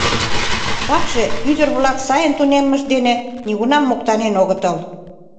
Такше, ӱдыр-влак сайын тунеммышт дене нигунам моктанен огытыл.